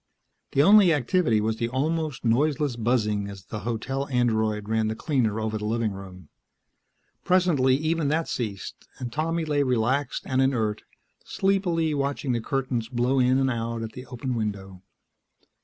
The only activity was the almost noiseless buzzing as the hotel android ran the cleaner over the living room. Presently even that ceased, and Tommy lay relaxed and inert, sleepily watching the curtains blow in and out at the open window.